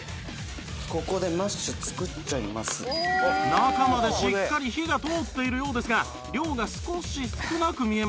中までしっかり火が通っているようですが量が少し少なく見えます